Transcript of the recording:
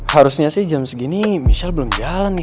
harusnya sih jam segini michelle belum jalan nih